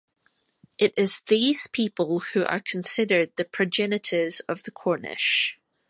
It is these people who are considered the progenitors of the Cornish.